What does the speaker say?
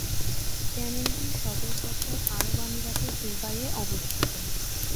Channel টির সদর দপ্তর আরব আমিরাতের দুবাইয়ে অবস্থিত।